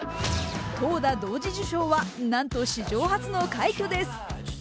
投打同時受賞は、なんと史上初の快挙です。